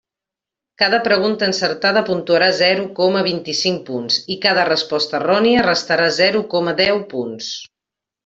Cada pregunta encertada puntuarà zero coma vint-i-cinc punts i cada resposta errònia restarà zero coma deu punts.